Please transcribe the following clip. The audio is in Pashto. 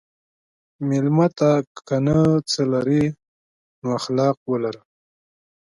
مېلمه ته که نه څه لرې، خو اخلاق ولره.